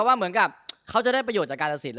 ว่าเหมือนกับเขาจะได้ประโยชน์จากการตัดสิน